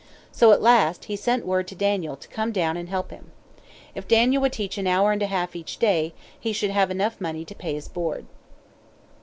So, at last, he sent word to Daniel to come down and help him. If Daniel would teach an hour and a half each day, he should have enough money to pay his board.